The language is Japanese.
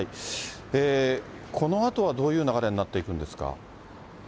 このあとはどういう流れになっていくんですか？